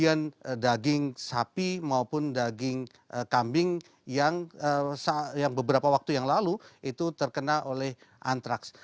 kemudian daging sapi maupun daging kambing yang beberapa waktu yang lalu itu terkena oleh antraks